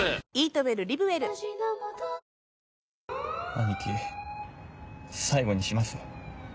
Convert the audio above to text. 兄貴最後にします